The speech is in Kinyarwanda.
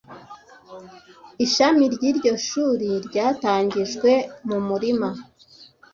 Ishami ry’iryo shuri ryatangijwe mu murima